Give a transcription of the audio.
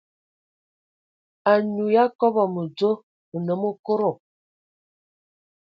Anyu ya kɔbɔ mədzo, nnəm okodo.